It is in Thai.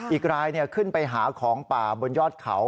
อีกรายขึ้นไปหาของป่าบนยอดเขา